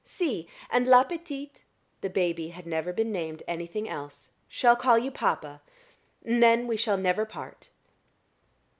See! and la petite" (the baby had never been named anything else) "shall call you Papa and then we shall never part."